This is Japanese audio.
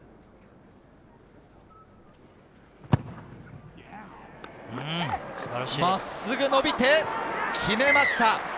真っすぐ伸びて決めました。